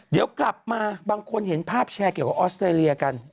เดี๋ยวกลับมาบางคนเห็นภาพแชร์เกี่ยวกับออสเตรเลียกัน